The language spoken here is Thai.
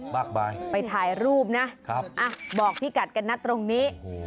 มากมายไปถ่ายรูปนะบอกพี่กัดกันนะตรงนี้